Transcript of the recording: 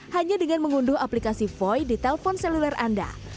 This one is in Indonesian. hanya dengan mengunduh aplikasi voi di telpon seluler anda